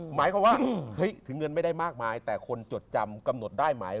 หมายความว่าเฮ้ยถึงเงินไม่ได้มากมายแต่คนจดจำกำหนดได้ไหม